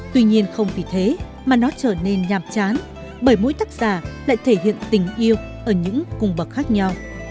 tuy nhiên không vì thế mà nó trở nên nhàm chán bởi mỗi tác giả lại thể hiện tình yêu ở những cung bậc khác nhau